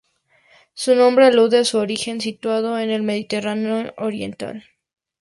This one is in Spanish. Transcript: Su nombre alude a su origen, situado en el Mediterráneo oriental.